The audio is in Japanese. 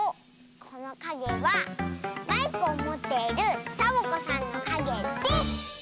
このかげはマイクをもっているサボ子さんのかげです！